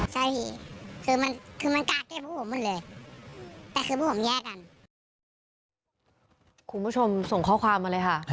คุณผู้ชมส่งข้อความมาเลยค่ะ